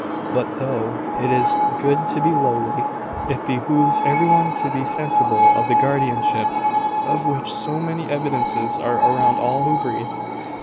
But, though it is good to be lowly, it behoves every one to be sensible of the guardianship, of which so many evidences are around all who breathe.